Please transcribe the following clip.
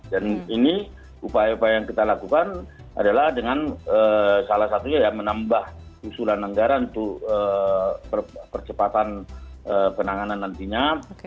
dan ini upaya upaya yang kita lakukan adalah dengan salah satunya ya menambah usulan anggaran untuk percepatan penanganan nantinya